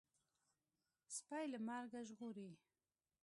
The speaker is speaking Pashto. سپى له مرګه ژغوري.